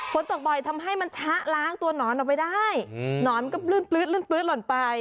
ฝนตกบ่อยทำให้มันชะล้างตัวหนอนออกไปได้หนอนมันก็ลื้นปลื๊ดลื้นปลื๊ดหล่นไป